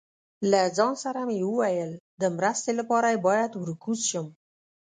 له ځان سره مې وویل، د مرستې لپاره یې باید ور کوز شم.